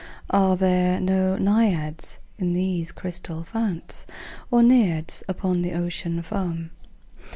Are there no Naiads in these crystal founts? Nor Nereids upon the Ocean foam?